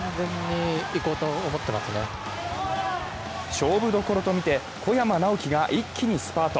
勝負どころとみて、小山直城が一気にスパート。